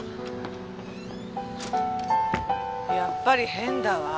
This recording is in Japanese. やっぱり変だわ。